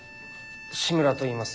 志村といいます。